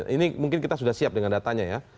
ini mungkin kita sudah siap dengan datanya ya